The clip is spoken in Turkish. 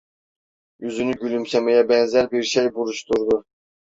Yüzünü gülümsemeye benzer bir şey buruşturdu.